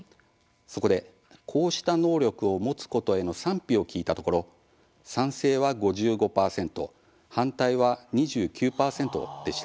そこでこうした能力を持つことへの賛否を聞いたところ「賛成」は５５％「反対」は２９％でした。